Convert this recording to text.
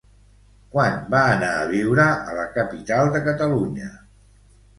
Quan va anar a viure a la capital de Catalunya?